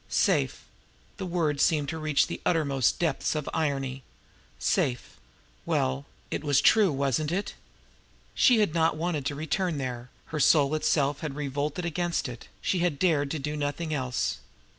Safe! The word seemed to reach the uttermost depths of irony. Safe! Well, it was true, wasn't it? She had not wanted to return there; her soul itself had revolted against it; but she had dared to do nothing else.